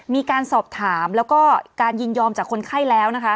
มีการสอบถามแล้วก็การยินยอมจากคนไข้แล้วนะคะ